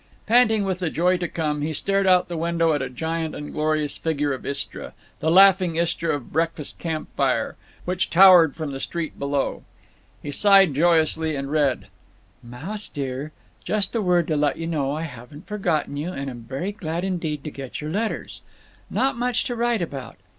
Panting with the joy to come, he stared out of the window at a giant and glorious figure of Istra—the laughing Istra of breakfast camp fire—which towered from the street below. He sighed joyously and read: Mouse dear, just a word to let you know I haven't forgotten you and am very glad indeed to get your letters. Not much to write about.